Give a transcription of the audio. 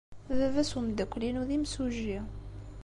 Baba-s n umeddakel-inu d imsujji.